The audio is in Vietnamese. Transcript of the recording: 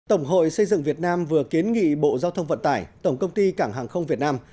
tổng hội xây dựng việt nam vừa kiến nghị bộ giao thông vận tải tổng công ty cảng hàng không việt nam